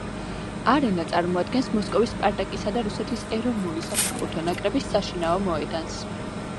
არენა წარმოადგენს მოსკოვის სპარტაკისა და რუსეთის ეროვნული საფეხბურთო ნაკრების საშინაო მოედანს.